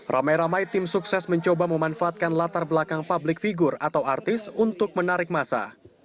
ramai ramai tim sukses mencoba memanfaatkan latar belakang publik figur atau artis untuk menarik masa